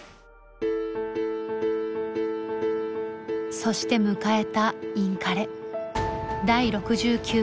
そして迎えたインカレ。